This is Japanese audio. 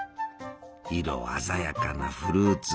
色鮮やかなフルーツ！